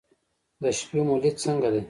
د شپې مو لید څنګه دی؟